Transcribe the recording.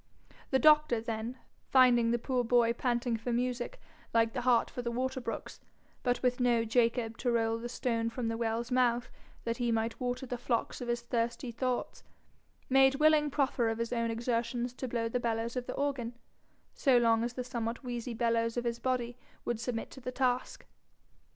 The doctor, then, finding the poor boy panting for music like the hart for the water brooks, but with no Jacob to roll the stone from the well's mouth that he might water the flocks of his thirsty thoughts, made willing proffer of his own exertions to blow the bellows of the organ, so long as the somewhat wheezy bellows of his body would submit to the task.